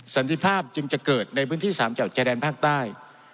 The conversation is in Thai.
สันติภาพจึงจะเกิดในพื้นที่๓จังหวัดชายแดนภาคใต้